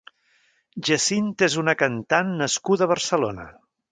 Jacinta és una cantant nascuda a Barcelona.